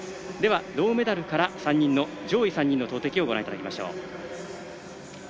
銅メダルから、上位３人の投てきご覧いただきましょう。